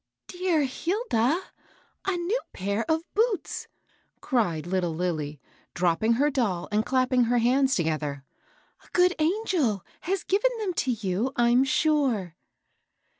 " Dear Hilda I a new pair of boots 1 " cried lit tle Lilly, dropping her doll and clapping her hands together. " A good angel has given them to you, I'm sure."